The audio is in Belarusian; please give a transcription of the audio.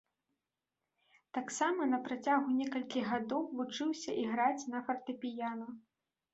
Таксама на працягу некалькіх гадоў вучыўся іграць на фартэпіяна.